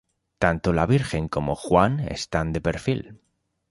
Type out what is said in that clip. Tanto la Virgen como Juan están de perfil.